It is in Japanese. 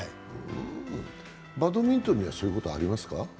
バドミントンにはそういうことありますか？